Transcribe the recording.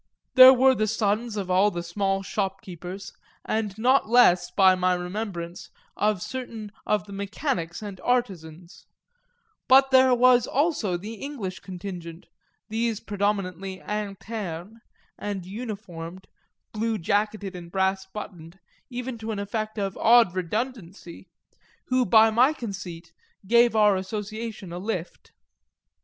There were the sons of all the small shop keepers and not less, by my remembrance, of certain of the mechanics and artisans; but there was also the English contingent, these predominantly internes and uniformed, blue jacketed and brass buttoned, even to an effect of odd redundancy, who by my conceit gave our association a lift.